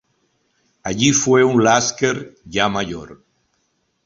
Allí fue un Lasker, ya mayor.